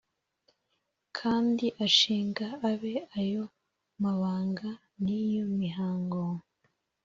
kandi ashinga abe ayo mabanga n’iyo mihango;